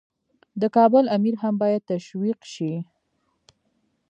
د کابل امیر هم باید تشویق شي.